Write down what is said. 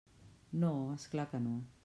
No, és clar que no.